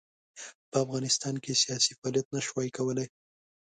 په افغانستان کې یې سیاسي فعالیت نه شوای کولای.